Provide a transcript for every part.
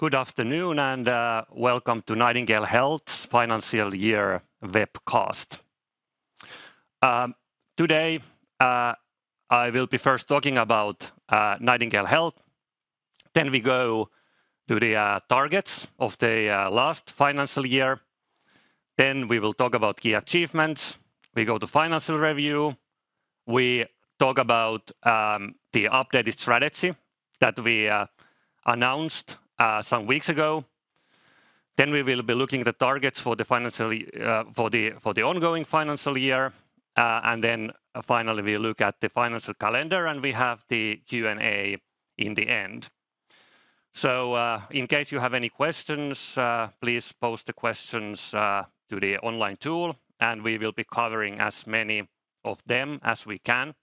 Good afternoon, and welcome to Nightingale Health's Financial Year Webcast. Today, I will be first talking about Nightingale Health, then we go to the targets of the last financial year. Then we will talk about key achievements. We go to financial review. We talk about the updated strategy that we announced some weeks ago. We will be looking at the targets for the ongoing financial year. Finally, we look at the financial calendar, and we have the Q&A in the end. In case you have any questions, please post the questions to the online tool, and we will be covering as many of them as we can.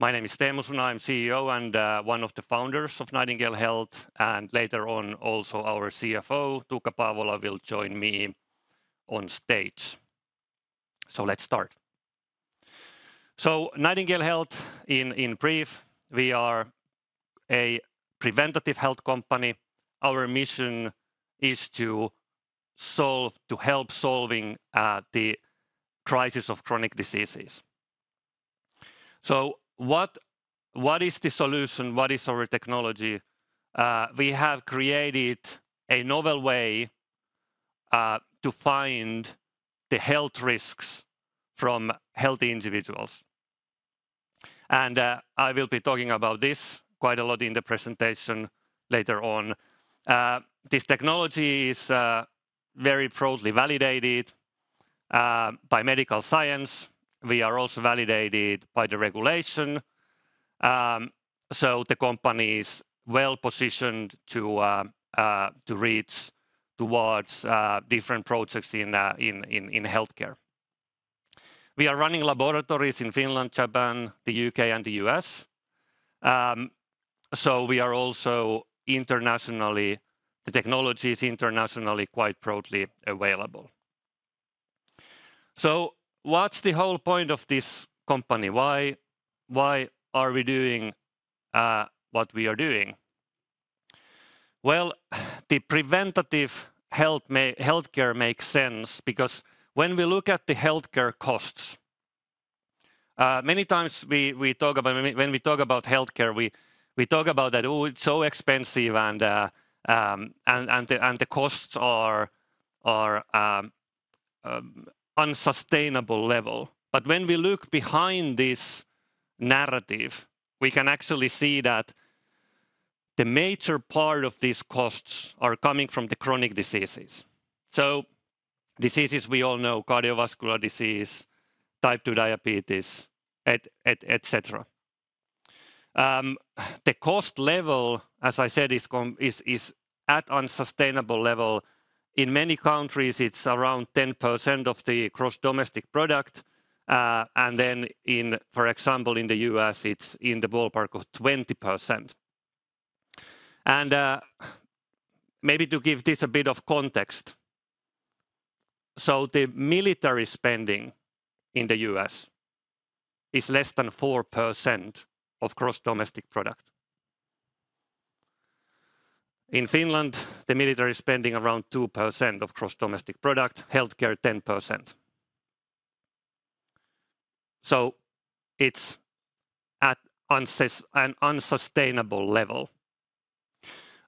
My name is Teemu Suna, I'm CEO and one of the founders of Nightingale Health, and later on, also our CFO, Tuukka Paavola, will join me on stage. Let's start. Nightingale Health in brief, we are a preventative health company. Our mission is to solve, to help solving the crisis of chronic diseases. What is the solution? What is our technology? We have created a novel way to find the health risks from healthy individuals. And I will be talking about this quite a lot in the presentation later on. This technology is very broadly validated by medical science. We are also validated by the regulation, so the company is well positioned to reach towards different projects in healthcare. We are running laboratories in Finland, Japan, the U.K., and the U.S. So, we are also internationally, the technology is internationally quite broadly available. So, what's the whole point of this company? Why are we doing what we are doing? Well, the preventative healthcare makes sense because when we look at the healthcare costs, many times we talk about, when we talk about healthcare, we talk about that, oh, it's so expensive, and the costs are unsustainable level. But when we look behind this narrative, we can actually see that the major part of these costs are coming from the chronic diseases. So diseases we all know, cardiovascular disease, type 2 diabetes, et cetera. The cost level, as I said, is at unsustainable level. In many countries, it's around 10% of the gross domestic product, and then, for example, in the U.S., it's in the ballpark of 20%. Maybe to give this a bit of context, the military spending in the U.S. is less than 4% of gross domestic product. In Finland, the military is spending around 2% of gross domestic product, healthcare, 10%. So it's at an unsustainable level.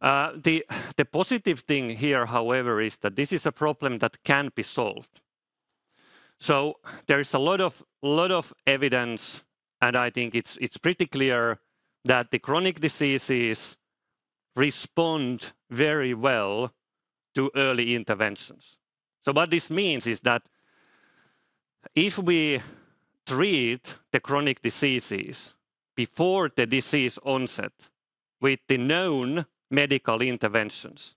The positive thing here, however, is that this is a problem that can be solved. So there is a lot of evidence, and I think it's pretty clear that the chronic diseases respond very well to early interventions. So what this means is that if we treat the chronic diseases before the disease onset with the known medical interventions,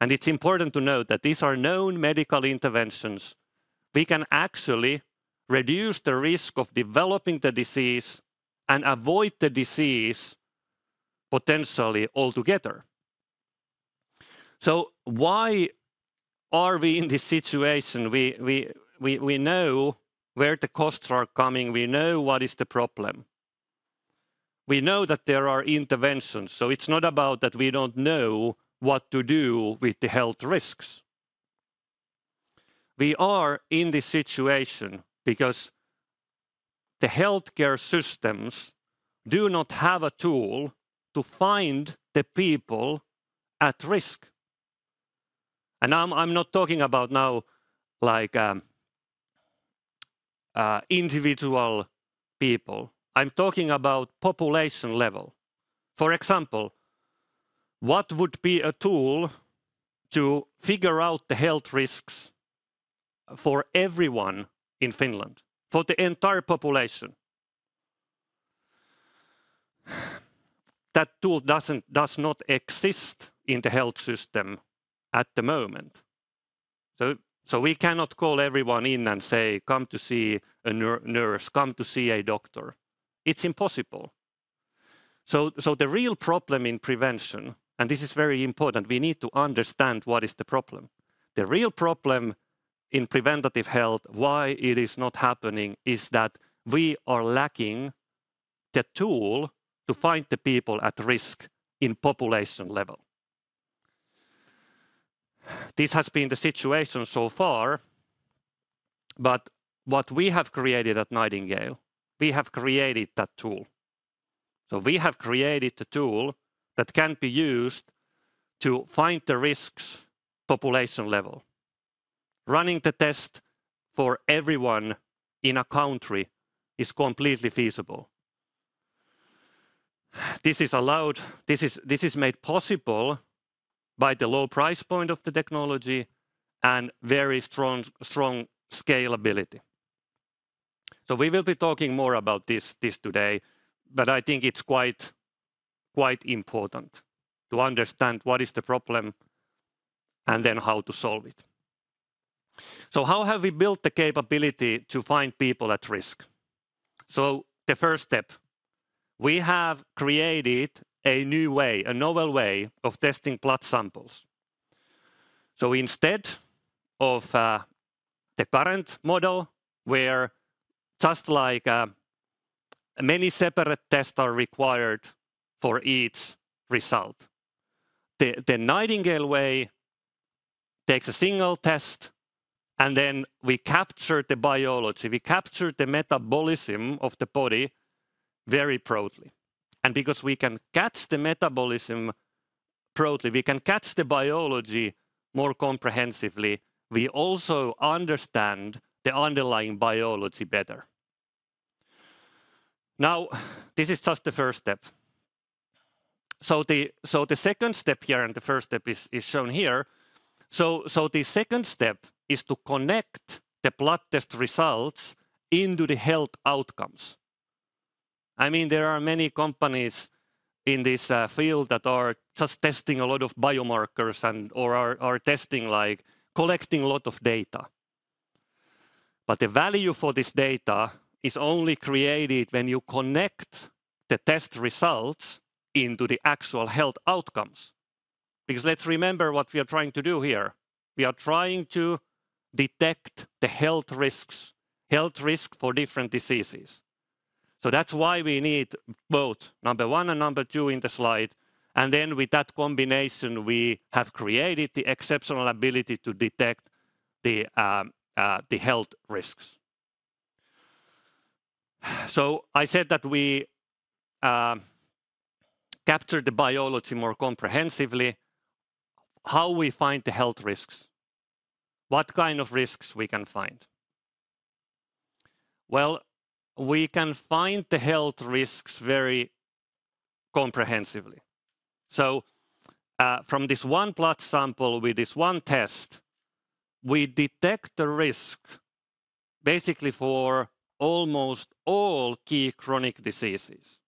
and it's important to note that these are known medical interventions, we can actually reduce the risk of developing the disease and avoid the disease potentially altogether. So why are we in this situation? We know where the costs are coming, we know what is the problem. We know that there are interventions, so it's not about that we don't know what to do with the health risks. We are in this situation because the healthcare systems do not have a tool to find the people at risk. And I'm not talking about now, like, individual people. I'm talking about population level. For example, what would be a tool to figure out the health risks for everyone in Finland, for the entire population? That tool does not exist in the health system at the moment. So we cannot call everyone in and say, come to see a nurse, come to see a doctor. It's impossible. So the real problem in prevention, and this is very important, we need to understand what is the problem. The real problem in preventative health, why it is not happening is that we are lacking the tool to find the people at risk in population level. This has been the situation so far, but what we have created at Nightingale, we have created that tool. So we have created the tool that can be used to find the risks population level. Running the test for everyone in a country is completely feasible. This is made possible by the low price point of the technology and very strong scalability. So we will be talking more about this today, but I think it's quite important to understand what is the problem and then how to solve it. So how have we built the capability to find people at risk? So the first step, we have created a new way, a novel way of testing blood samples. So instead of the current model, where just like many separate tests are required for each result, the Nightingale way takes a single test, and then we capture the biology, we capture the metabolism of the body very broadly. And because we can catch the metabolism broadly, we can catch the biology more comprehensively, we also understand the underlying biology better. Now, this is just the first step. So the second step here, and the first step is shown here. So the second step is to connect the blood test results into the health outcomes. I mean, there are many companies in this field that are just testing a lot of biomarkers and or are testing, like collecting a lot of data. But the value for this data is only created when you connect the test results into the actual health outcomes. Because let's remember what we are trying to do here. We are trying to detect the health risks, health risk for different diseases. So that's why we need both number one and number two in the slide, and then with that combination, we have created the exceptional ability to detect the health risks. So I said that we capture the biology more comprehensively, how we find the health risks, what kind of risks we can find? Well, we can find the health risks very comprehensively. So, from this one blood sample, with this one test, we detect the risk basically for almost all key chronic diseases.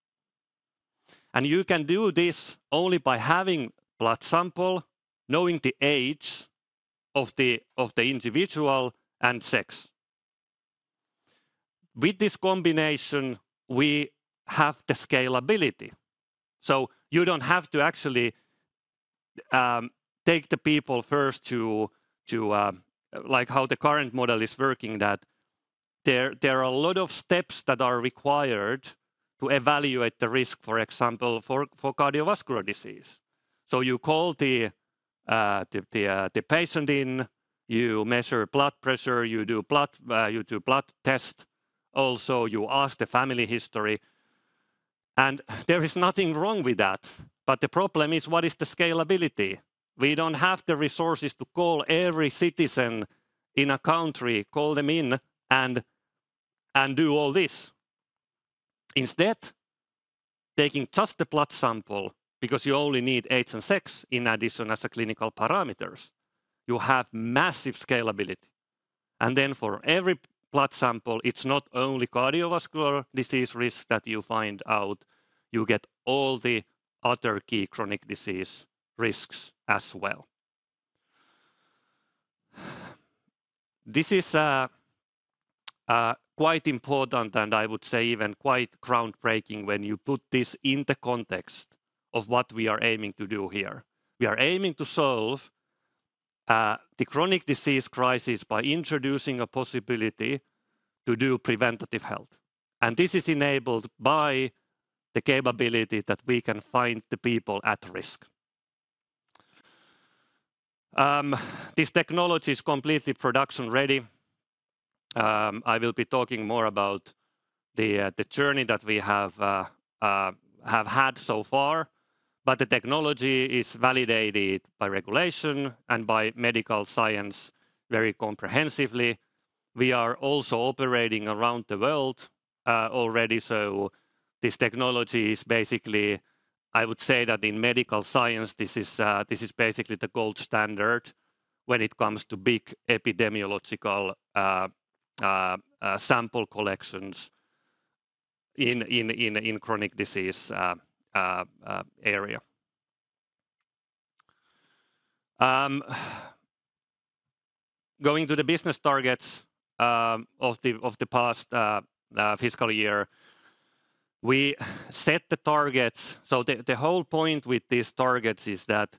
And you can do this only by having blood sample, knowing the age of the individual, and sex. With this combination, we have the scalability. So you don't have to actually take the people first to like how the current model is working, that there are a lot of steps that are required to evaluate the risk, for example, for cardiovascular disease. So you call the patient in, you measure blood pressure, you do blood test. Also, you ask the family history, and there is nothing wrong with that, but the problem is, what is the scalability? We don't have the resources to call every citizen in a country, call them in, and do all this. Instead, taking just the blood sample, because you only need age and sex in addition as a clinical parameters, you have massive scalability. And then for every blood sample, it's not only cardiovascular disease risk that you find out, you get all the other key chronic disease risks as well. This is quite important, and I would say even quite groundbreaking when you put this in the context of what we are aiming to do here. We are aiming to solve the chronic disease crisis by introducing a possibility to do preventative health. And this is enabled by the capability that we can find the people at risk. This technology is completely production ready. I will be talking more about the journey that we have had so far, but the technology is validated by regulation and by medical science very comprehensively. We are also operating around the world already, so this technology is basically, I would say that in medical science, this is basically the gold standard when it comes to big epidemiological sample collections in chronic disease area. Going to the business targets of the past fiscal year. We set the targets. So the whole point with these targets is that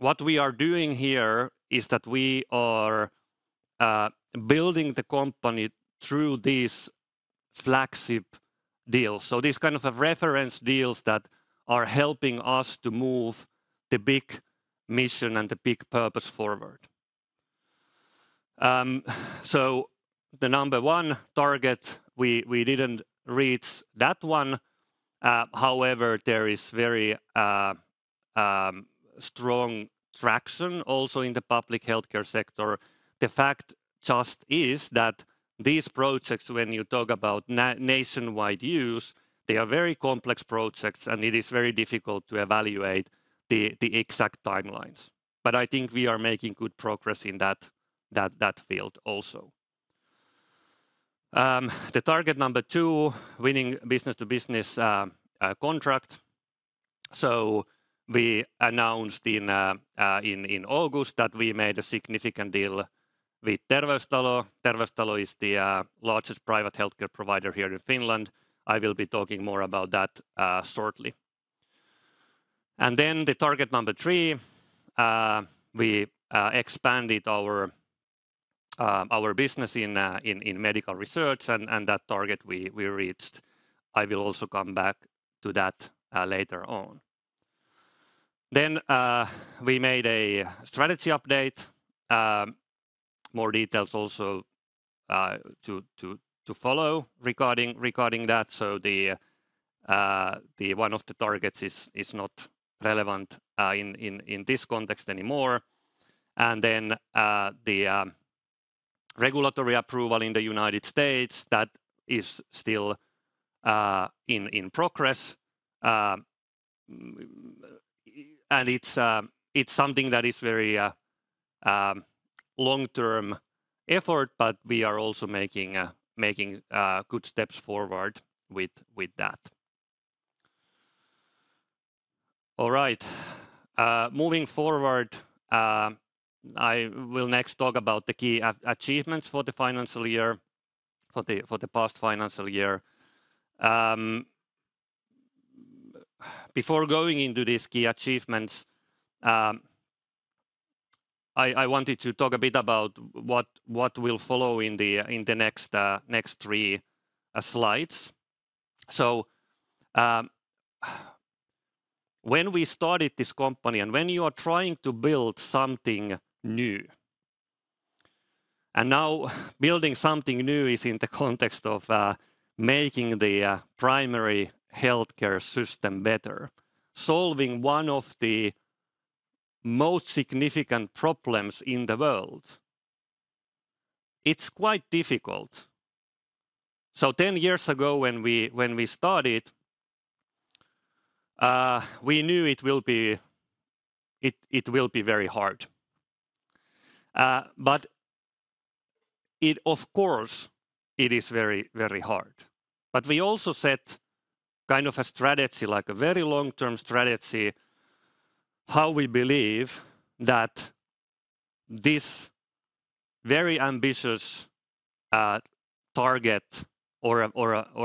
what we are doing here is that we are building the company through these flagship deals. So these kind of reference deals that are helping us to move the big mission and the big purpose forward. So the number one target, we didn't reach that one. However, there is very strong traction also in the public healthcare sector. The fact just is that these projects, when you talk about nationwide use, they are very complex projects, and it is very difficult to evaluate the exact timelines. But I think we are making good progress in that field also. The target number two, winning business-to-business contract. So we announced in August that we made a significant deal with Terveystalo. Terveystalo is the largest private healthcare provider here in Finland. I will be talking more about that shortly. And then the target number three, we expanded our business in medical research, and that target we reached. I will also come back to that later on. Then we made a strategy update. More details also to follow regarding that. So the one of the targets is not relevant in this context anymore. And then the regulatory approval in the United States, that is still in progress. And it's something that is very long-term effort, but we are also making good steps forward with that. All right. Moving forward, I will next talk about the key achievements for the financial year, for the past financial year. Before going into these key achievements, I wanted to talk a bit about what will follow in the next three slides. So, when we started this company, and when you are trying to build something new, and now building something new is in the context of making the primary healthcare system better, solving one of the most significant problems in the world, it's quite difficult. So, 10 years ago, when we started, we knew it will be, it will be very hard. But of course, it is very, very hard. But we also set kind of a strategy, like a very long-term strategy, how we believe that this very ambitious target or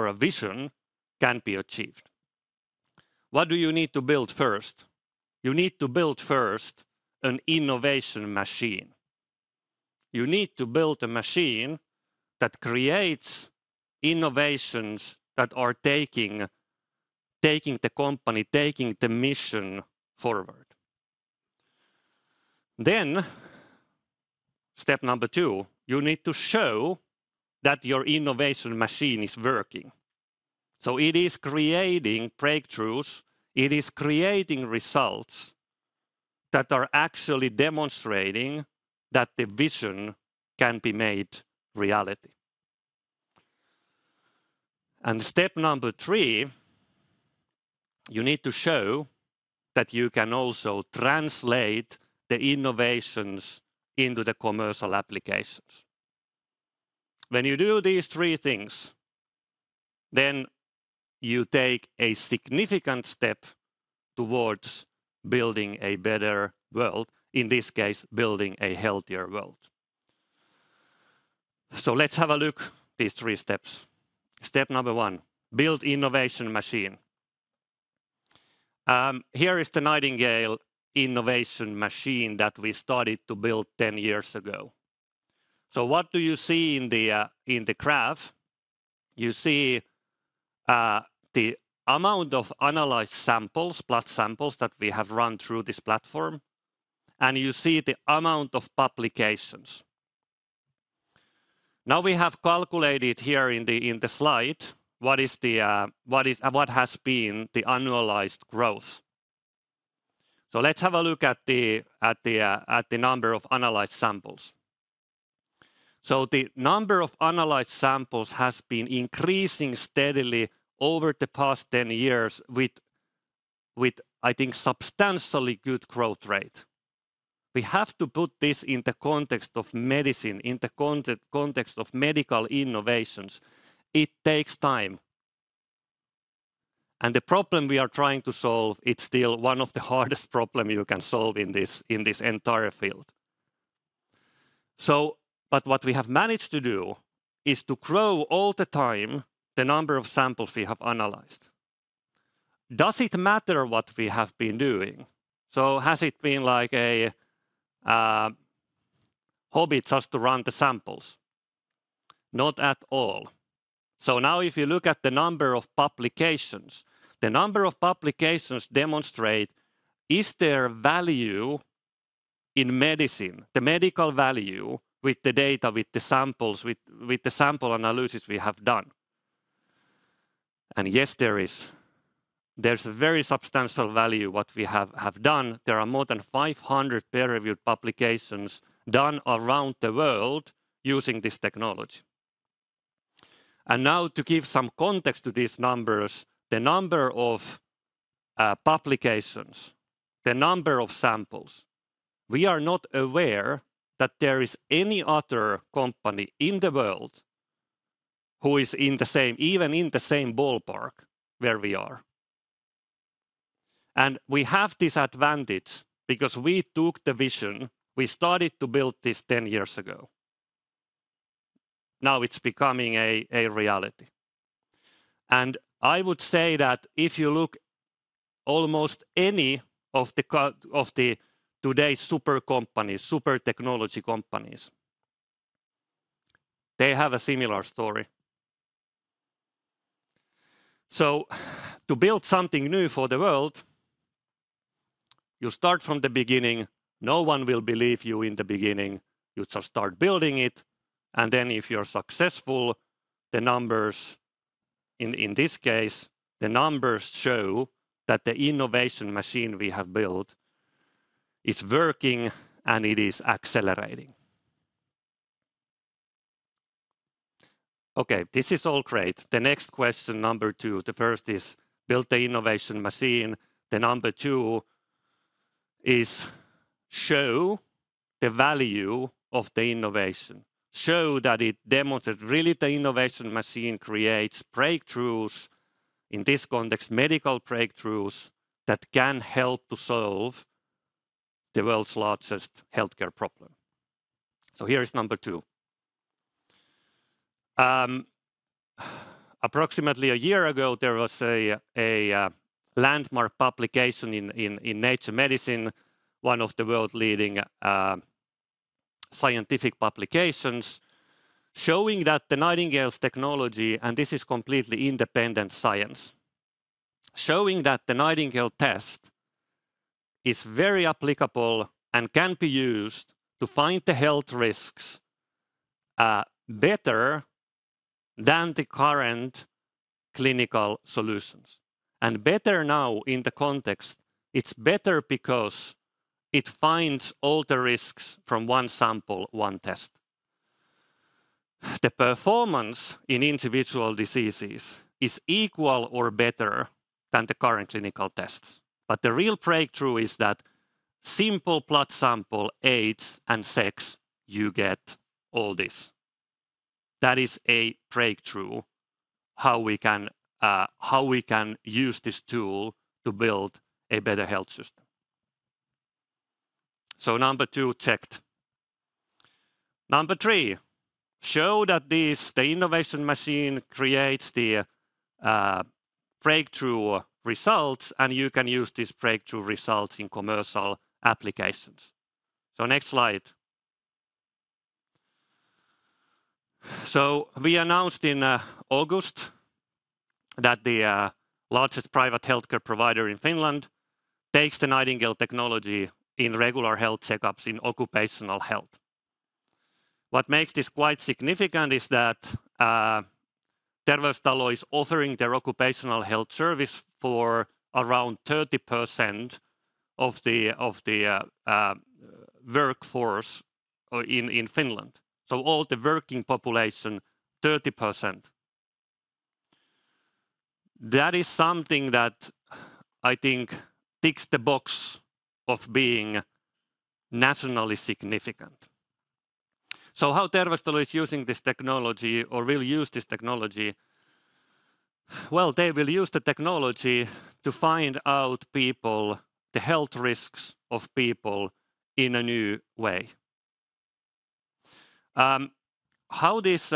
a vision can be achieved. What do you need to build first? You need to build first an innovation machine. You need to build a machine that creates innovations that are taking, taking the company, taking the mission forward. Then, step number two, you need to show that your innovation machine is working. So it is creating breakthroughs, it is creating results that are actually demonstrating that the vision can be made reality. And step number three, you need to show that you can also translate the innovations into the commercial applications. When you do these three things, then you take a significant step towards building a better world, in this case, building a healthier world. Let's have a look these three steps. Step number one, build innovation machine. Here is the Nightingale innovation machine that we started to build 10 years ago. What do you see in the graph? You see, the amount of analyzed samples, blood samples that we have run through this platform, and you see the amount of publications. Now, we have calculated here in the slide what has been the annualized growth. So let's have a look at the number of analyzed samples. So the number of analyzed samples has been increasing steadily over the past 10 years with, I think, substantially good growth rate. We have to put this in the context of medicine, in the context of medical innovations. It takes time. And the problem we are trying to solve, it's still one of the hardest problem you can solve in this entire field. So, but what we have managed to do is to grow all the time the number of samples we have analyzed. Does it matter what we have been doing? So has it been like a hobby just to run the samples? Not at all. So now, if you look at the number of publications, the number of publications demonstrate, is there value in medicine, the medical value with the data, with the samples, with the sample analysis we have done? And yes, there is. There's a very substantial value what we have, have done. There are more than 500 peer-reviewed publications done around the world using this technology. And now to give some context to these numbers, the number of publications, the number of samples, we are not aware that there is any other company in the world who is in the same-even in the same ballpark where we are. And we have this advantage because we took the vision. We started to build this 10 years ago. Now it's becoming a reality. I would say that if you look almost any of the today's super companies, super technology companies, they have a similar story. So to build something new for the world, you start from the beginning. No one will believe you in the beginning. You just start building it, and then if you're successful, the numbers in this case, the numbers show that the innovation machine we have built is working, and it is accelerating. Okay, this is all great. The next question, number two. The first is, build the innovation machine. The number two is show the value of the innovation. Show that it demonstrates, really, the innovation machine creates breakthroughs, in this context, medical breakthroughs that can help to solve the world's largest healthcare problem. So here is number two. Approximately a year ago, there was a landmark publication in Nature Medicine, one of the world-leading scientific publications, showing that the Nightingale's technology, and this is completely independent science, showing that the Nightingale test is very applicable and can be used to find the health risks better than the current clinical solutions. And better now in the context, it's better because it finds all the risks from one sample, one test. The performance in individual diseases is equal or better than the current clinical tests. But the real breakthrough is that simple blood sample, age, and sex, you get all this. That is a breakthrough, how we can use this tool to build a better health system. So number two, checked. Number three, show that this, the innovation machine creates the, breakthrough results, and you can use these breakthrough results in commercial applications. So next slide. So we announced in, August that the, largest private healthcare provider in Finland takes the Nightingale technology in regular health checkups in occupational health. What makes this quite significant is that, Terveystalo is offering their occupational health service for around 30% of the, of the, workforce, in, in Finland. So all the working population, 30%. That is something that, I think, ticks the box of being nationally significant. So how Terveystalo is using this technology or will use this technology? Well, they will use the technology to find out people, the health risks of people in a new way. How this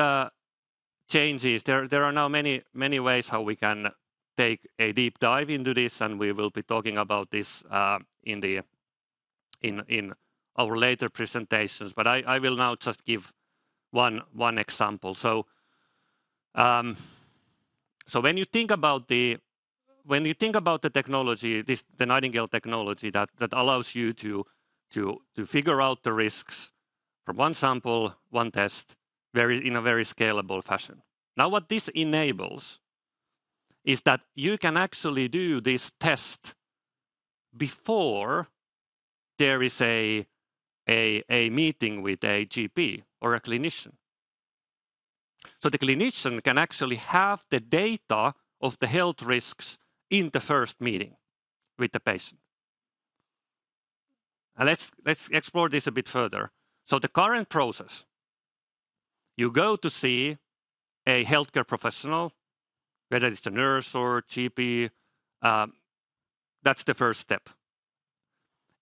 changes. There are now many ways how we can take a deep dive into this, and we will be talking about this in our later presentations, but I will now just give one example. So, when you think about the technology, the Nightingale technology, that allows you to figure out the risks from one sample, one test, in a very scalable fashion. Now, what this enables is that you can actually do this test before there is a meeting with a GP or a clinician. So the clinician can actually have the data of the health risks in the first meeting with the patient. And let's explore this a bit further. So the current process, you go to see a healthcare professional, whether it's a nurse or GP, that's the first step.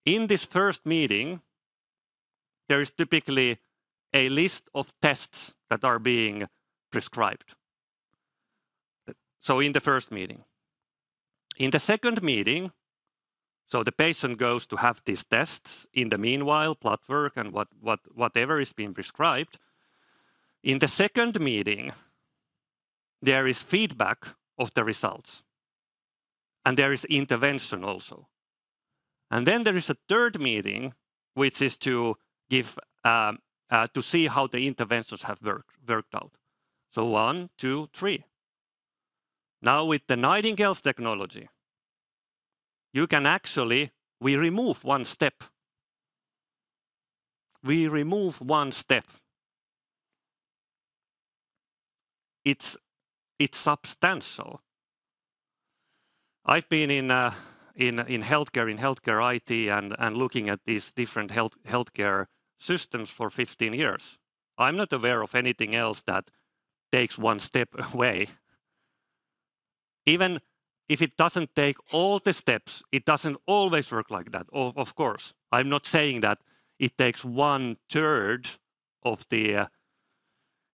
In this first meeting, there is typically a list of tests that are being prescribed. So in the first meeting. In the second meeting, so the patient goes to have these tests. In the meanwhile, blood work and whatever is being prescribed. In the second meeting, there is feedback of the results, and there is intervention also. And then there is a third meeting, which is to give to see how the interventions have worked out. So one, two, three. Now, with the Nightingale's technology, you can actually we remove one step. We remove one step. It's substantial. I've been in healthcare, in healthcare IT, and looking at these different healthcare systems for 15 years. I'm not aware of anything else that takes one step away. Even if it doesn't take all the steps, it doesn't always work like that. Of course, I'm not saying that it takes 1/3 of the,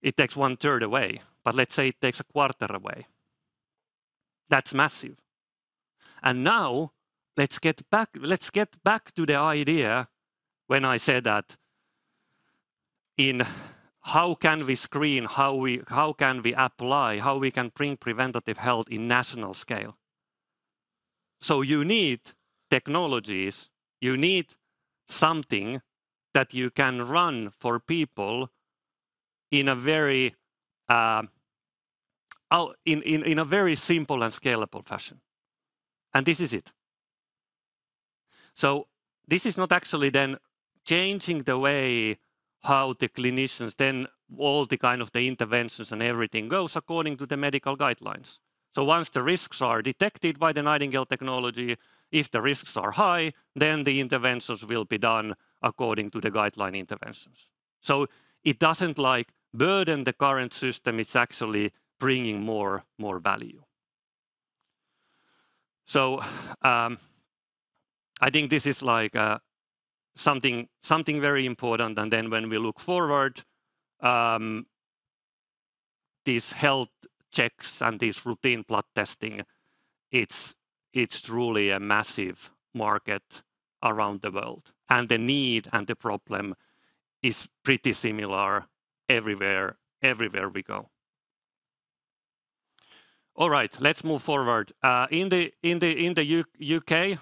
it takes 1/3 away, but let's say it takes 1/4 away. That's massive. And now, let's get back, let's get back to the idea when I said that in how can we screen, how can we apply, how we can bring preventative health in national scale? So you need technologies, you need something that you can run for people in a very simple and scalable fashion, and this is it. So this is not actually then changing the way how the clinicians, then all the kind of the interventions and everything goes according to the medical guidelines. So once the risks are detected by the Nightingale technology, if the risks are high, then the interventions will be done according to the guideline interventions. So it doesn't like burden the current system, it's actually bringing more, more value. So, I think this is like, something, something very important. And then when we look forward, these health checks and these routine blood testing, it's, it's truly a massive market around the world, and the need and the problem is pretty similar everywhere, everywhere we go. All right, let's move forward. In the U.K.,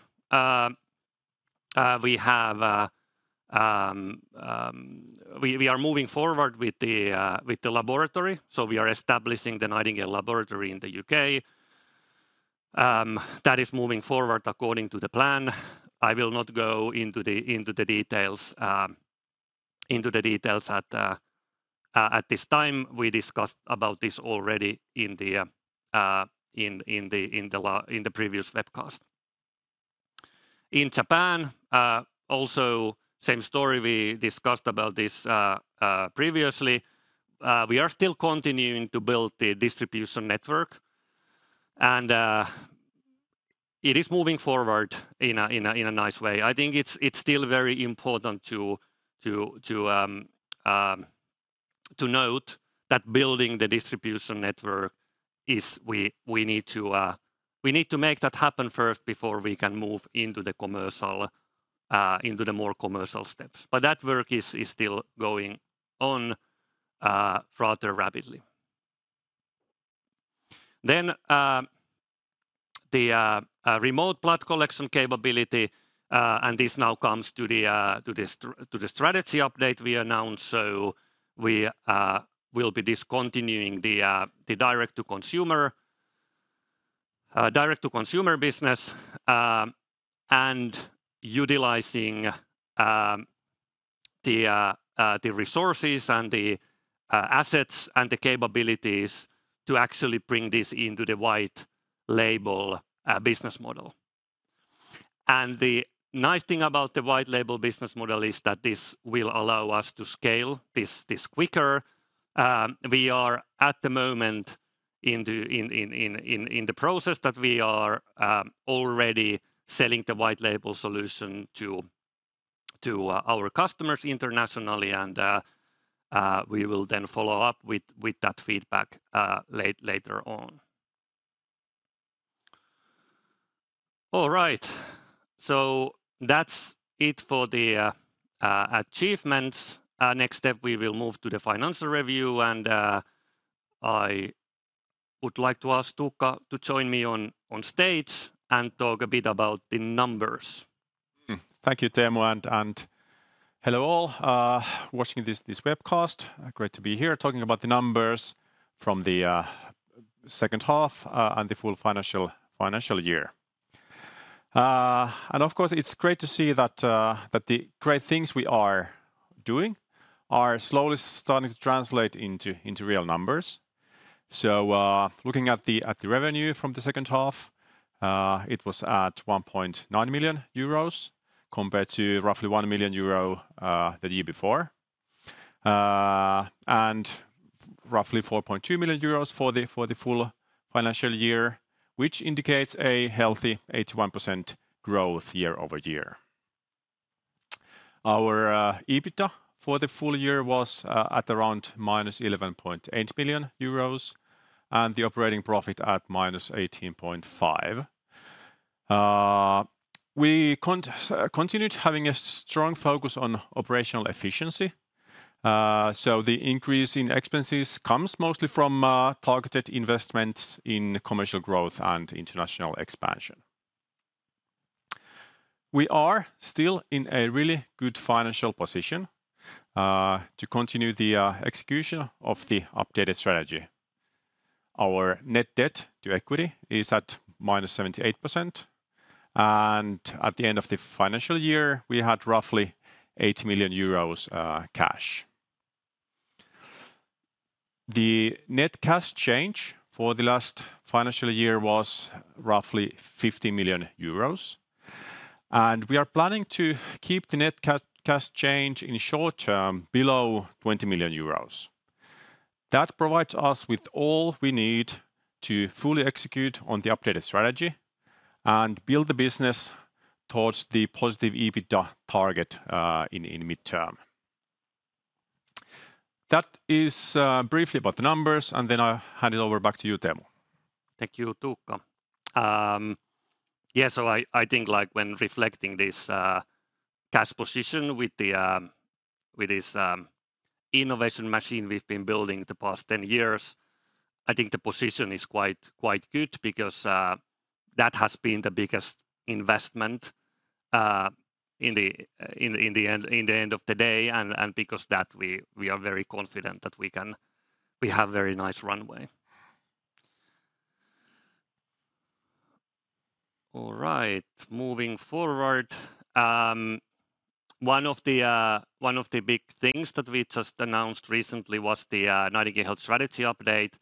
we are moving forward with the laboratory, so we are establishing the Nightingale laboratory in the U.K. That is moving forward according to the plan. I will not go into the details at this time. We discussed about this already in the previous webcast. In Japan, also same story, we discussed about this previously. We are still continuing to build the distribution network, and it is moving forward in a nice way. I think it's still very important to note that building the distribution network is we need to make that happen first before we can move into the commercial, into the more commercial steps. But that work is still going on rather rapidly. Then, the remote blood collection capability, and this now comes to the strategy update we announced. So we will be discontinuing the direct-to-consumer business, and utilizing the resources and the assets, and the capabilities to actually bring this into the white label business model. And the nice thing about the white label business model is that this will allow us to scale this quicker. We are at the moment in the process that we are already selling the white label solution to our customers internationally, and we will then follow up with that feedback later on. All right, so that's it for the achievements. Next step, we will move to the financial review, and I would like to ask Tuukka to join me on stage and talk a bit about the numbers. Thank you, Teemu, and hello, all, watching this webcast. Great to be here talking about the numbers from the second half and the full financial year. And of course, it's great to see that the great things we are doing are slowly starting to translate into real numbers. So, looking at the revenue from the second half, it was at 1.9 million euros, compared to roughly 1 million euro the year before. And roughly 4.2 million euros for the full financial year, which indicates a healthy 81% growth year-over-year. Our EBITDA for the full year was at around minus 11.8 million euros, and the operating profit at minus 18.5 million. We continued having a strong focus on operational efficiency. So the increase in expenses comes mostly from targeted investments in commercial growth and international expansion. We are still in a really good financial position to continue the execution of the updated strategy. Our net debt to equity is at -78%, and at the end of the financial year, we had roughly 8 million euros cash. The net cash change for the last financial year was roughly 50 million euros, and we are planning to keep the net cash change in short term below 20 million euros. That provides us with all we need to fully execute on the updated strategy and build the business towards the positive EBITDA target in midterm. That is, briefly about the numbers, and then I'll hand it over back to you, Teemu. Thank you, Tuukka. Yeah, so I think, like, when reflecting this cash position with this innovation machine we've been building the past 10 years, I think the position is quite good because that has been the biggest investment in the end of the day. And because that we are very confident that we can, we have very nice runway. All right, moving forward. One of the big things that we just announced recently was the Nightingale Health strategy update.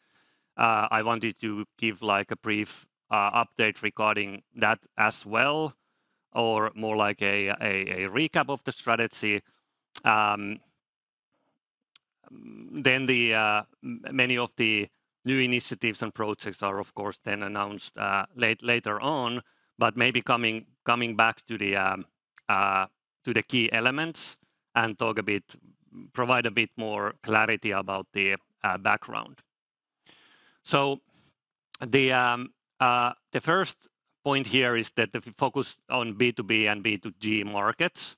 I wanted to give, like, a brief update regarding that as well, or more like a recap of the strategy. Then many of the new initiatives and projects are, of course, announced later on. But maybe coming back to the key elements and talk a bit, provide a bit more clarity about the background. So the first point here is that the focus on B2B and B2G markets.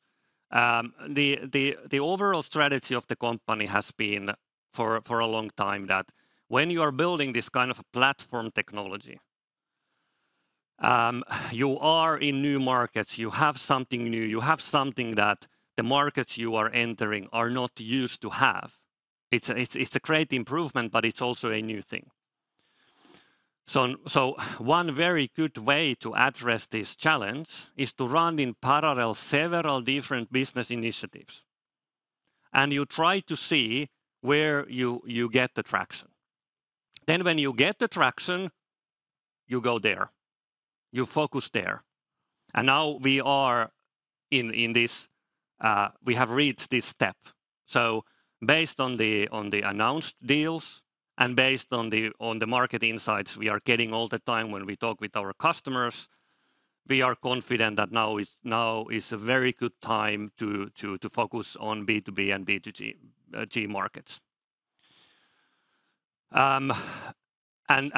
The overall strategy of the company has been for a long time that when you are building this kind of platform technology, you are in new markets, you have something new, you have something that the markets you are entering are not used to have. It's a great improvement, but it's also a new thing. So one very good way to address this challenge is to run in parallel several different business initiatives, and you try to see where you get the traction. Then when you get the traction, you go there, you focus there. Now we are in this, we have reached this step. Based on the announced deals and based on the market insights we are getting all the time when we talk with our customers, we are confident that now is a very good time to focus on B2B and B2G markets.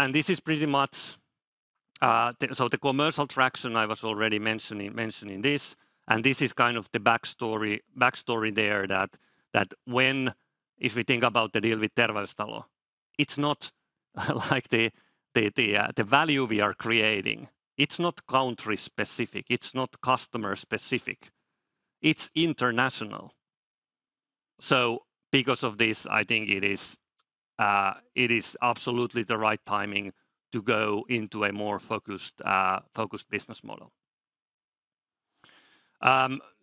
And this is pretty much the, so the commercial traction, I was already mentioning this, and this is kind of the backstory there, that when, if we think about the deal with Terveystalo, it's not like the value we are creating, it's not country-specific, it's not customer-specific, it's international. So because of this, I think it is absolutely the right timing to go into a more focused business model.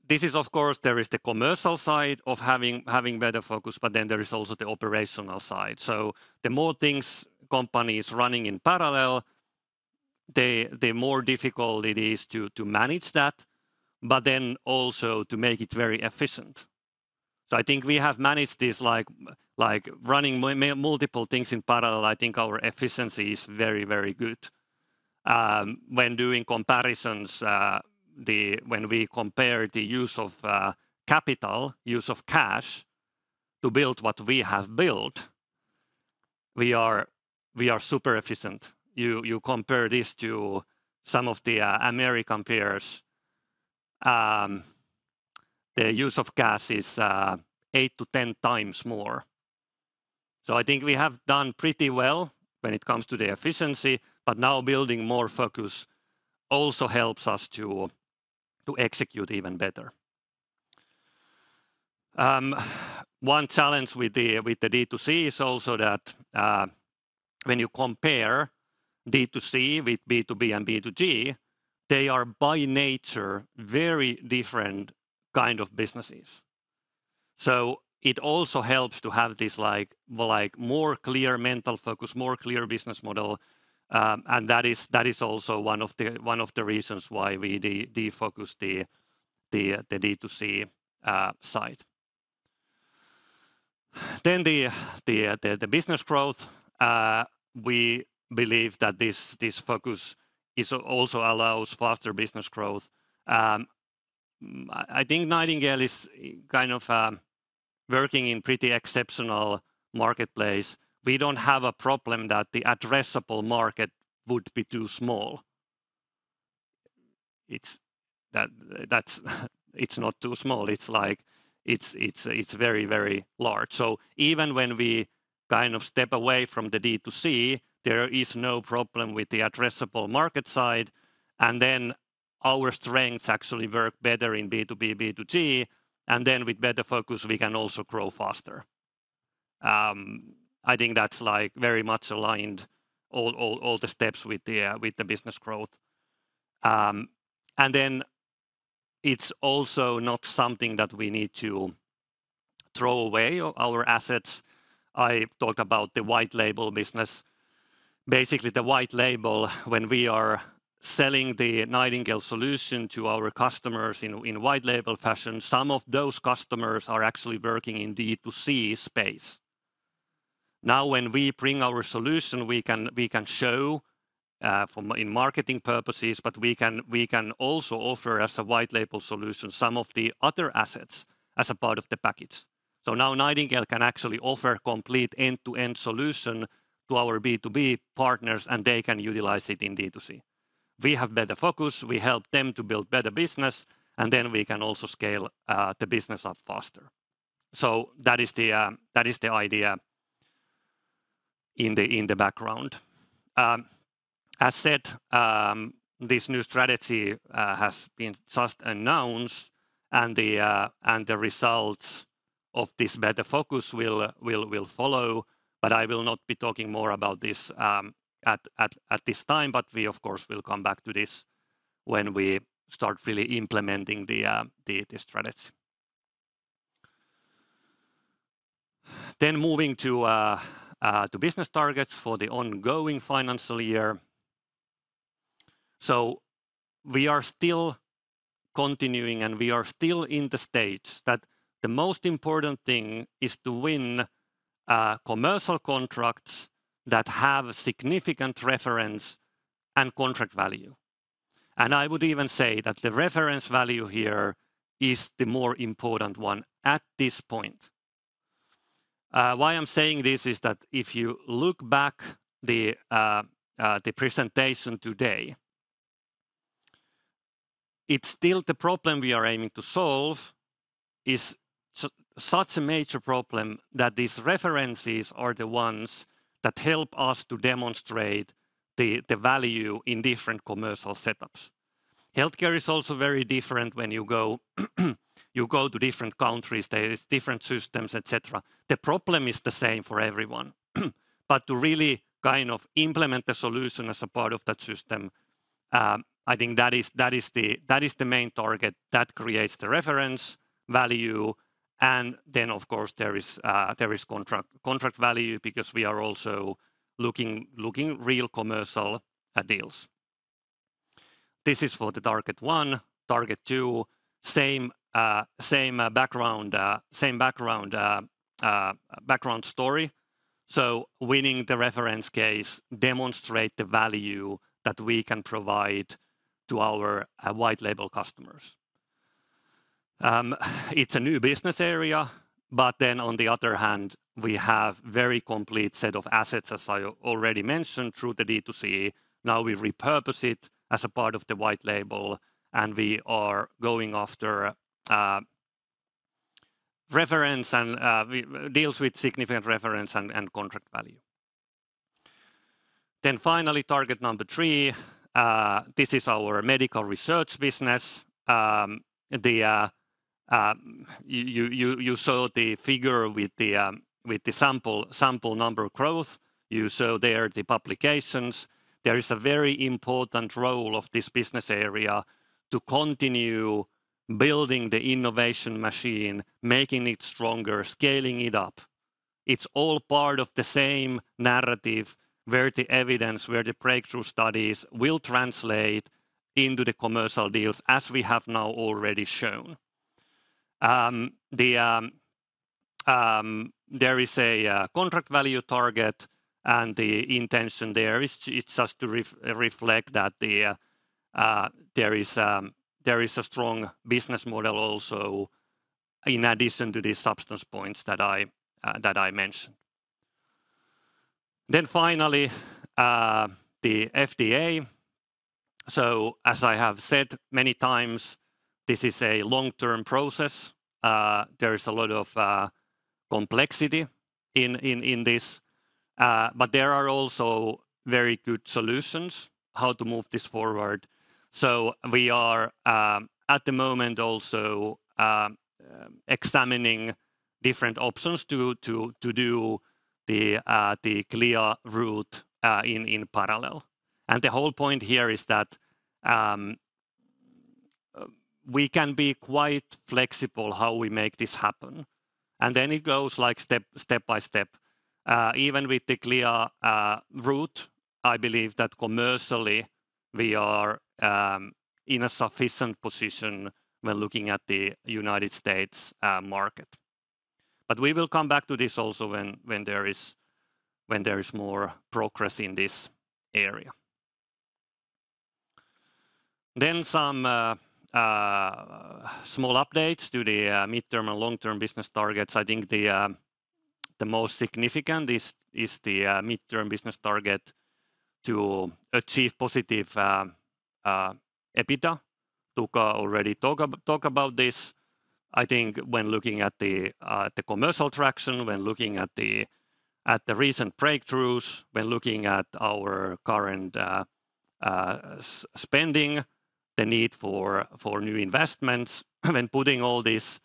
This is of course, there is the commercial side of having better focus, but then there is also the operational side. So the more things company is running in parallel, the more difficult it is to manage that, but then also to make it very efficient. So I think we have managed this like running multiple things in parallel. I think our efficiency is very, very good. When we compare the use of capital, use of cash to build what we have built, we are super efficient. You compare this to some of the American peers, their use of cash is eight to 10 times more. So I think we have done pretty well when it comes to the efficiency, but now building more focus also helps us to execute even better. One challenge with the D2C is also that when you compare D2C with B2B and B2D, they are by nature very different kind of businesses. So it also helps to have this like more clear mental focus, more clear business model, and that is also one of the reasons why we defocus the D2C side. Then the business growth, we believe that this focus is also allows faster business growth. I think Nightingale is kind of working in pretty exceptional marketplace. We don't have a problem that the addressable market would be too small. It's that, That's, it's not too small. It's like, it's very, very large. So even when we kind of step away from the D2C, there is no problem with the addressable market side, and then our strengths actually work better in B2B, B2G, and then with better focus, we can also grow faster. I think that's like very much aligned all, all, all the steps with the business growth. And then it's also not something that we need to throw away our assets. I talked about the white label business. Basically, the white label, when we are selling the Nightingale solution to our customers in white label fashion, some of those customers are actually working in D2C space. Now, when we bring our solution, we can, we can show for in marketing purposes, but we can, we can also offer as a white label solution some of the other assets as a part of the package. So, now, Nightingale can actually offer complete end-to-end solution to our B2B partners, and they can utilize it in D2C. We have better focus, we help them to build better business, and then we can also scale the business up faster. So that is the, that is the idea in the, in the background. As said, this new strategy has been just announced, and the results of this better focus will follow, but I will not be talking more about this at this time, but we, of course, will come back to this when we start really implementing the strategy. Then moving to business targets for the ongoing financial year. So we are still continuing, and we are still in the stage that the most important thing is to win commercial contracts that have significant reference and contract value. And I would even say that the reference value here is the more important one at this point. Why I'm saying this is that if you look back the, the presentation today, it's still the problem we are aiming to solve is such a major problem that these references are the ones that help us to demonstrate the, the value in different commercial setups. Healthcare is also very different when you go, you go to different countries, there is different systems, etc. The problem is the same for everyone, but to really kind of implement the solution as a part of that system, I think that is, that is the, that is the main target that creates the reference value, and then, of course, there is, there is contract, contract value because we are also looking, looking real commercial, deals. This is for the target one, target two, same, same, background, background story. So winning the reference case demonstrate the value that we can provide to our, white label customers. It's a new business area, but then on the other hand, we have very complete set of assets, as I already mentioned, through the D2C. Now we repurpose it as a part of the white label, and we are going after, reference and, deals with significant reference and, and contract value. Then finally, target number three, this is our medical research business. The, you saw the figure with the, with the sample number growth. You saw there the publications. There is a very important role of this business area to continue building the innovation machine, making it stronger, scaling it up. It's all part of the same narrative where the evidence, where the breakthrough studies will translate into the commercial deals, as we have now already shown. There is a contract value target, and the intention there is to, it's just to reflect that there is a strong business model also in addition to the substance points that I mentioned. Then finally, the FDA. So as I have said many times, this is a long-term process. There is a lot of complexity in this, but there are also very good solutions how to move this forward. So we are at the moment also examining different options to do the CLIA route in parallel. The whole point here is that we can be quite flexible how we make this happen, and then it goes like step by step. Even with the CLIA route, I believe that commercially we are in a sufficient position when looking at the United States market. But we will come back to this also when there is more progress in this area. Some small updates to the midterm and long-term business targets. I think the most significant is the midterm business target to achieve positive EBITDA. Tuukka already talked about this. I think when looking at the commercial traction, when looking at the recent breakthroughs, when looking at our current spending, the need for new investments, and putting all this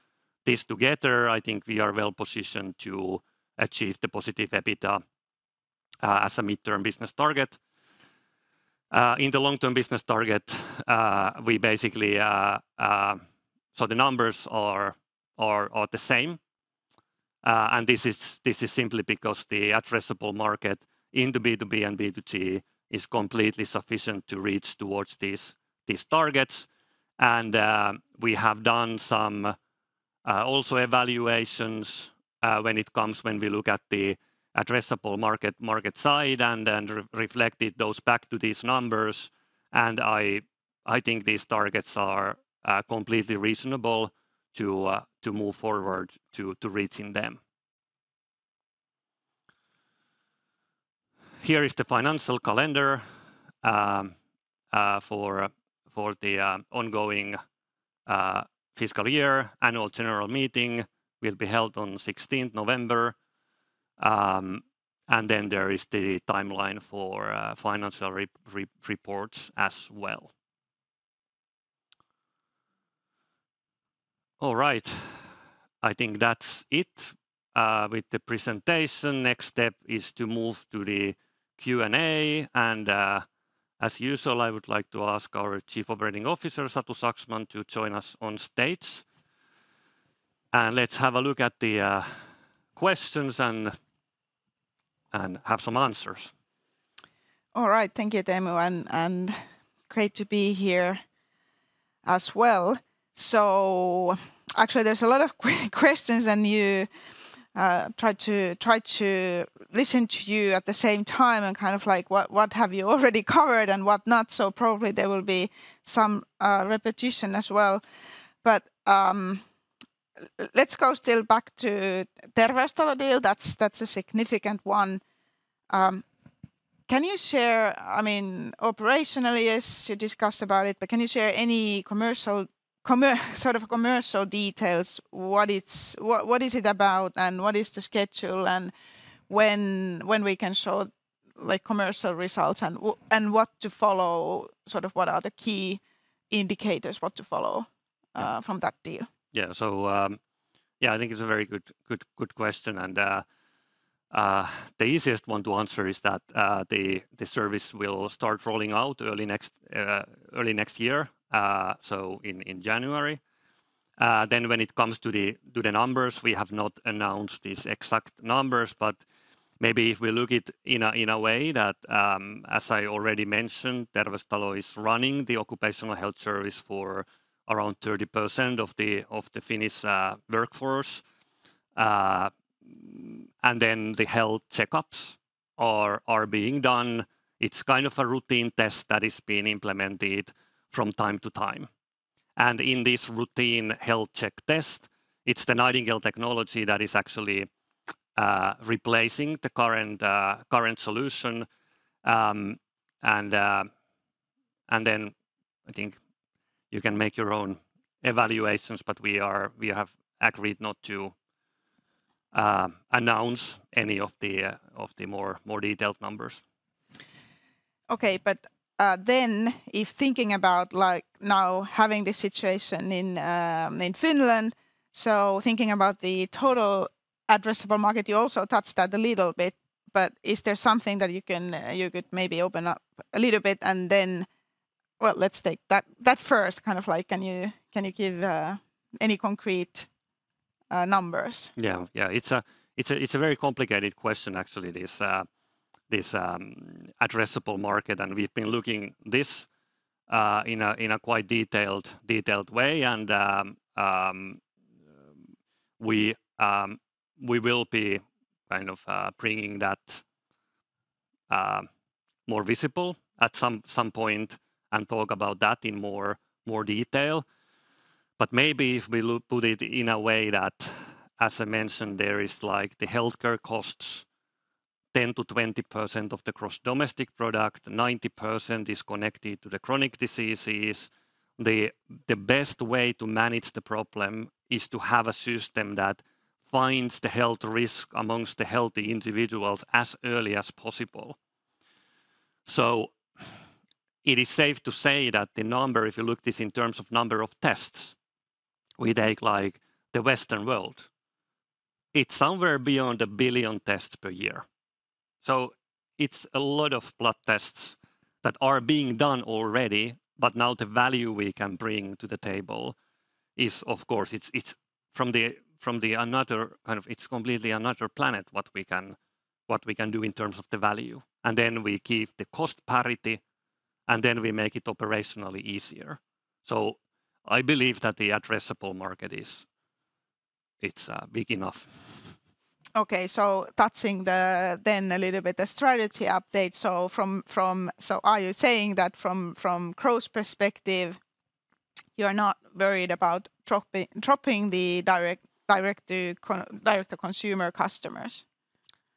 together, I think we are well positioned to achieve the positive EBITDA as a midterm business target. In the long-term business target, we basically, so the numbers are the same. And this is simply because the addressable market in the B2B and B2D is completely sufficient to reach towards these targets. And we have done some also evaluations when it comes when we look at the addressable market, market side, and then re, reflected those back to these numbers. And I think these targets are completely reasonable to move forward to reaching them. Here is the financial calendar for the ongoing fiscal year. Annual general meeting will be held on 16th November. And then there is the timeline for financial reports as well. All right, I think that's it with the presentation. Next step is to move to the Q&A, and as usual, I would like to ask our Chief Operating Officer, Satu Saksman, to join us on stage. And let's have a look at the questions and have some answers. All right. Thank you, Teemu, and great to be here as well. So, actually, there's a lot of questions, and you try to listen to you at the same time and kind of like what, what have you already covered and what not? So probably there will be some repetition as well. But let's go still back to Terveystalo deal. That's a significant one. Can you share, I mean, operationally, yes, you discussed about it, but can you share any sort of commercial details? What it's what, what is it about, and what is the schedule, and when we can show, like, commercial results, and what to follow, sort of what are the key indicators, what to follow from that deal? Yeah. So, yeah, I think it's a very good, good, good question, and, the easiest one to answer is that, the service will start rolling out early next year, so in January. Then when it comes to the numbers, we have not announced these exact numbers, but maybe if we look it in a way that, as I already mentioned, Terveystalo is running the occupational health service for around 30% of the Finnish workforce. And then the health checkups are being done. It's kind of a routine test that is being implemented from time to time. And in this routine health check test, it's the Nightingale technology that is actually replacing the current solution. And, and then I think you can make your own evaluations, but we have agreed not to announce any of the more detailed numbers. Okay, but then if thinking about, like, now having this situation in, in Finland, so thinking about the total addressable market, you also touched that a little bit, but is there something that you can, you could maybe open up a little bit and then, well, let's take that, that first, kind of like, can you, can you give any concrete numbers? Yeah, yeah. It's a very complicated question, actually, this addressable market, and we've been looking this in a quite detailed way. We will be kind of bringing that more visible at some point and talk about that in more detail. But maybe if we put it in a way that, as I mentioned, there is like the healthcare costs, 10% to 20% of the gross domestic product, 90% is connected to the chronic diseases. The best way to manage the problem is to have a system that finds the health risk amongst the healthy individuals as early as possible. So, it is safe to say that the number, if you look this in terms of number of tests, we take, like, the Western world, it's somewhere beyond 1 billion tests per year. So it's a lot of blood tests that are being done already, but now the value we can bring to the table is, of course, it's completely another planet what we can do in terms of the value. And then we keep the cost parity, and then we make it operationally easier. So I believe that the addressable market is big enough. Okay. So touching on the strategy update a little bit. So are you saying that from close perspective, you're not worried about dropping the direct-to-consumer customers?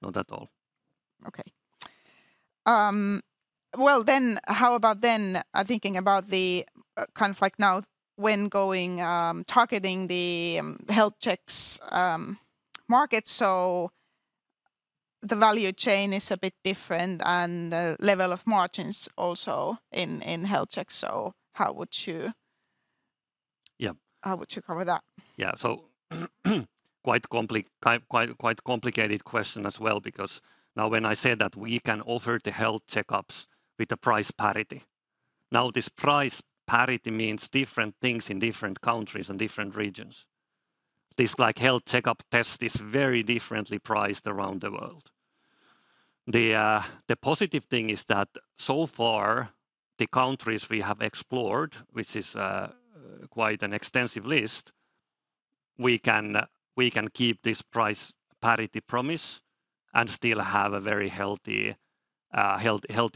Not at all. Okay. Well, then how about thinking about the kind of like now when going targeting the health checks market, so the value chain is a bit different and the level of margins also in health checks. So how would you? Yeah. How would you cover that? Yeah. So quite complex, quite complicated question as well, because now when I say that we can offer the health checkups with the price parity, now this price parity means different things in different countries and different regions. This, like, health checkup test is very differently priced around the world. The positive thing is that so far, the countries we have explored, which is quite an extensive list, we can keep this price parity promise and still have a very healthy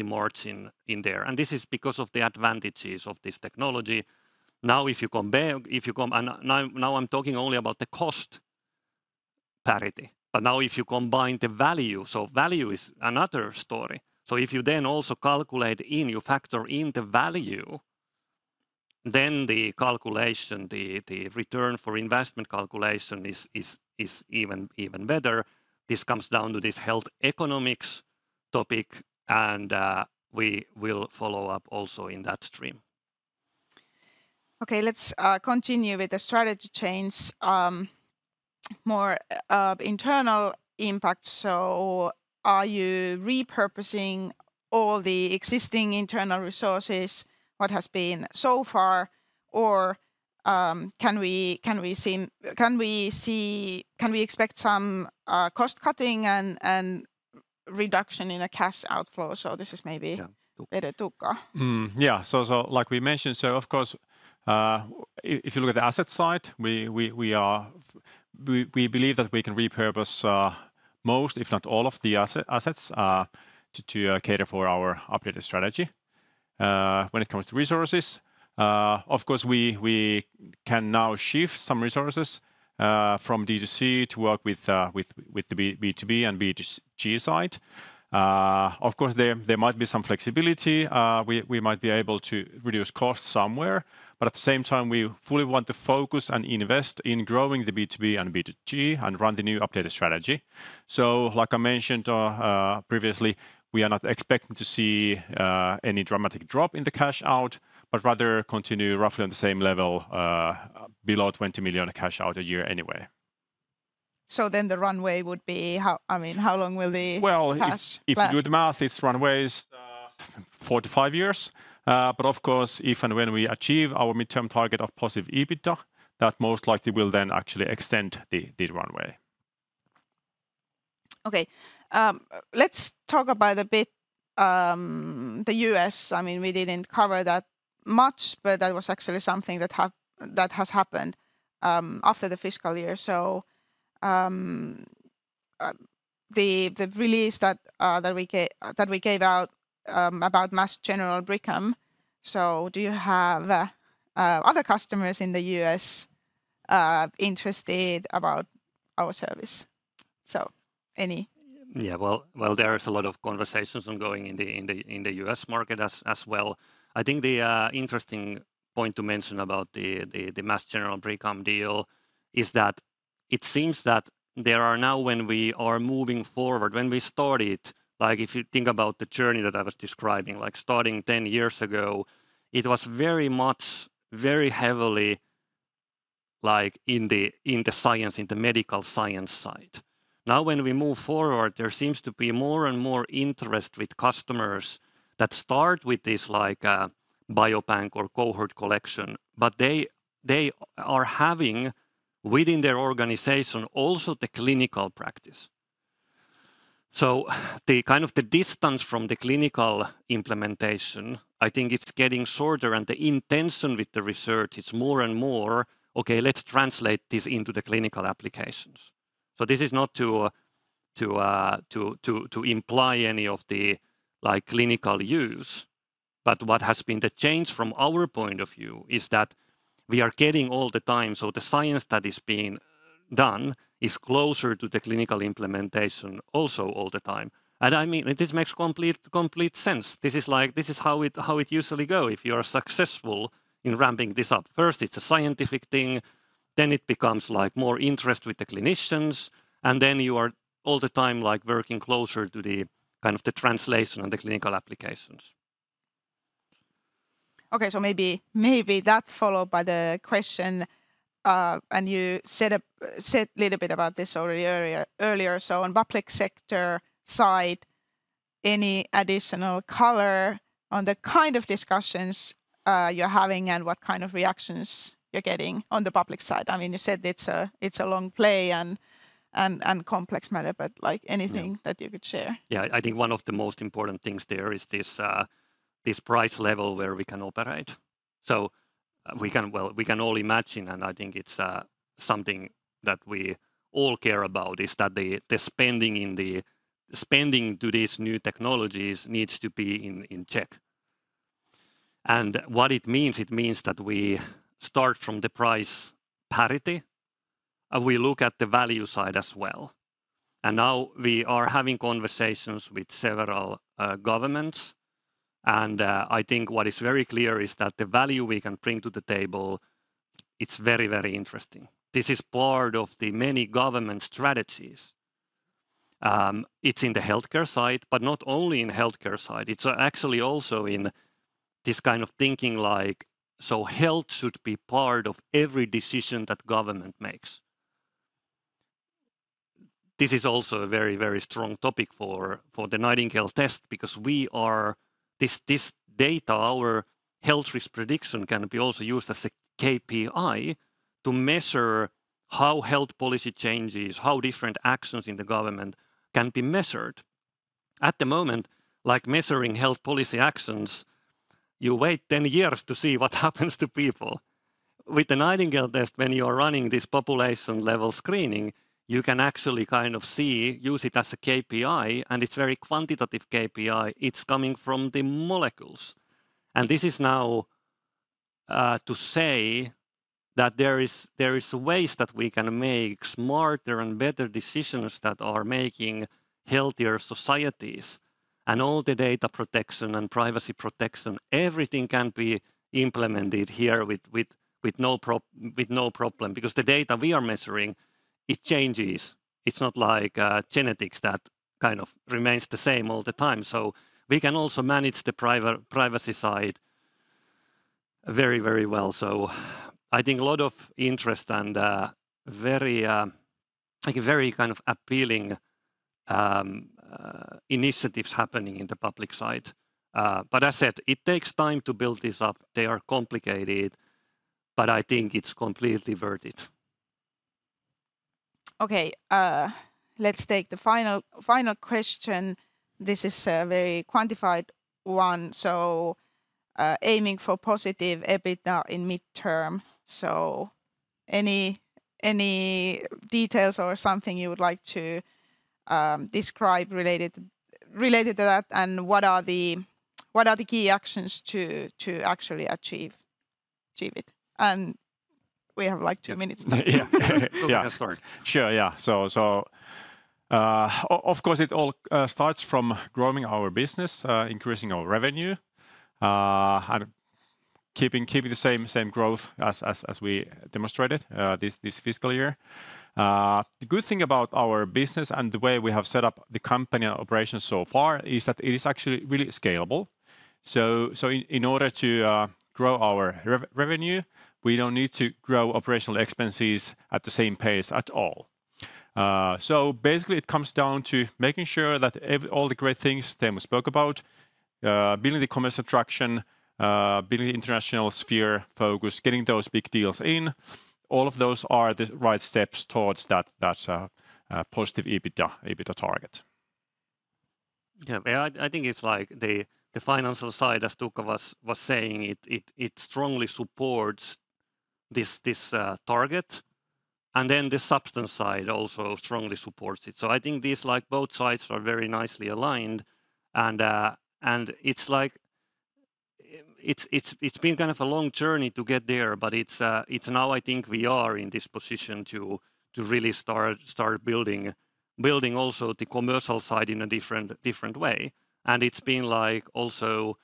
margin in there. And this is because of the advantages of this technology. Now, if you compare, and now I'm talking only about the cost parity, but now if you combine the value, so value is another story. So if you then also calculate in, you factor in the value, then the calculation, the return for investment calculation is even better. This comes down to this health economics topic, and we will follow up also in that stream. Okay, let's continue with the strategy change. More internal impact. So are you repurposing all the existing internal resources, what has been so far, or can we see, can we expect some cost-cutting and reduction in cash outflow? So this is maybe. Yeah. Better, Tuukka. Yeah, so like we mentioned, so of course, if you look at the asset side, we believe that we can repurpose most, if not all, of the assets to cater for our updated strategy. When it comes to resources, of course, we can now shift some resources from D2C to work with the B2B and B2G side. Of course, there might be some flexibility. We might be able to reduce costs somewhere, but at the same time, we fully want to focus and invest in growing the B2B and B2G and run the new updated strategy. Like I mentioned previously, we are not expecting to see any dramatic drop in the cash out, but rather continue roughly on the same level, below 20 million cash out a year anyway. Then the runway would be how, I mean, how long will the. Well, it's. Cash last? If you do the math, this runway is four to five years. But of course, if and when we achieve our midterm target of positive EBITDA, that most likely will then actually extend the runway. Okay. Let's talk about a bit the U.S. I mean, we didn't cover that much, but that was actually something that has happened after the fiscal year. So, the release that we gave out about Mass General Brigham, so do you have other customers in the U.S. interested about our service? So, any. Yeah, well, there is a lot of conversations ongoing in the U.S. market as well. I think the interesting point to mention about the Mass General Brigham deal is that it seems that there are now, when we are moving forward, when we started, like, if you think about the journey that I was describing, like starting 10 years ago, it was very much, very heavily like in the science, in the medical science side. Now, when we move forward, there seems to be more and more interest with customers that start with this, like, biobank or cohort collection, but they are having within their organization also the clinical practice. So, the kind of the distance from the clinical implementation, I think it's getting shorter, and the intention with the research is more and more, okay, let's translate this into the clinical applications. So this is not to imply any of the, like, clinical use, but what has been the change from our point of view is that we are getting all the time, so the science that is being done is closer to the clinical implementation also all the time. And I mean, this makes complete sense. This is like, this is how it usually go. If you are successful in ramping this up, first, it's a scientific thing, then it becomes, like, more interest with the clinicians, and then you are all the time, like, working closer to the kind of the translation and the clinical applications. Okay, so maybe that followed by the question, and you said a little bit about this already earlier. So on public sector side, any additional color on the kind of discussions you're having and what kind of reactions you're getting on the public side? I mean, you said it's a long play and complex matter, but, like. Yeah. Anything that you could share? Yeah, I think one of the most important things there is this, this price level where we can operate. So we can, well, we can all imagine, and I think it's something that we all care about, is that the spending in the spending to these new technologies needs to be in check. And what it means, it means that we start from the price parity, and we look at the value side as well. And now we are having conversations with several governments, and I think what is very clear is that the value we can bring to the table, it's very, very interesting. This is part of the many government strategies. It's in the healthcare side, but not only in the healthcare side, it's actually also in this kind of thinking, like, so health should be part of every decision that government makes. This is also a very, very strong topic for the Nightingale test because we are, this, this data, our health risk prediction, can be also used as a KPI to measure how health policy changes, how different actions in the government can be measured. At the moment, like measuring health policy actions, you wait 10 years to see what happens to people. With the Nightingale test, when you are running this population-level screening, you can actually kind of see, use it as a KPI, and it's very quantitative KPI. It's coming from the molecules. This is now to say that there is, there is ways that we can make smarter and better decisions that are making healthier societies. And all the data protection and privacy protection, everything can be implemented here with no problem because the data we are measuring, it changes. It's not like genetics that kind of remains the same all the time. So we can also manage the privacy side very, very well. So I think a lot of interest and very like a very kind of appealing initiatives happening in the public side. But as I said, it takes time to build this up. They are complicated, but I think it's completely worth it. Okay, let's take the final question. This is a very quantified one, so aiming for positive EBITDA in midterm. So any details or something you would like to describe related to that, and what are the key actions to actually achieve it? And we have, like, two minutes time. Yeah. We'll get started. Sure, yeah. Of course, it all starts from growing our business, increasing our revenue, and keeping the same growth as we demonstrated this fiscal year. The good thing about our business and the way we have set up the company operations so far is that it is actually really scalable. So in order to grow our revenue, we don't need to grow operational expenses at the same pace at all. So basically, it comes down to making sure that all the great things Teemu spoke about, building the commercial traction, building international sphere focus, getting those big deals in, all of those are the right steps towards that positive EBITDA target. Yeah, well, I think it's like the financial side, as Tuukka was saying, it strongly supports this target, and then the substance side also strongly supports it. So I think these, like, both sides are very nicely aligned, and it's like, it's been kind of a long journey to get there, but it's now I think we are in this position to really start building also the commercial side in a different way. And it's been like, also,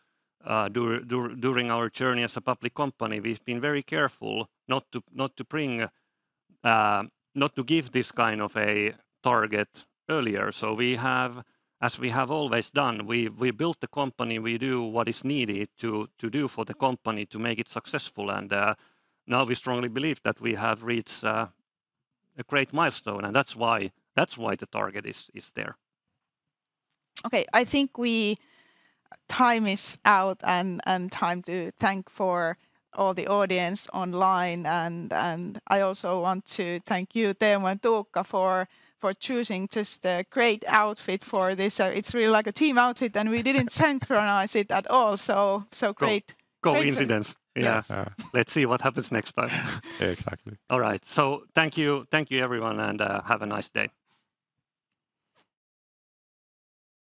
during our journey as a public company, we've been very careful not to bring, not to give this kind of a target earlier. So we have, as we have always done, we built the company. We do what is needed to do for the company to make it successful. And now we strongly believe that we have reached a great milestone, and that's why the target is there. Okay, I think we, time is out, and time to thank all the audience online. And I also want to thank you, Teemu and Tuukka, for choosing just a great outfit for this. It's really like a team outfit, and we didn't synchronize it at all, so great. Coincidence. Yes. Yeah. Let's see what happens next time. Exactly. All right. So thank you, thank you, everyone, and have a nice day!